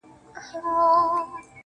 دي روح کي اغښل سوی دومره,